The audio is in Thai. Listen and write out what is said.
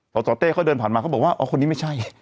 สสเต้เขาเดินผ่านมาเขาบอกว่าอ๋อคนนี้ไม่ใช่